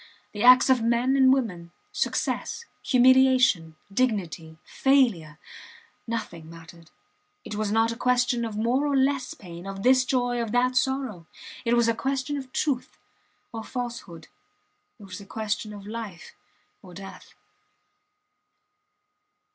The acts of men and women, success, humiliation, dignity, failure nothing mattered. It was not a question of more or less pain, of this joy, of that sorrow. It was a question of truth or falsehood it was a question of life or death.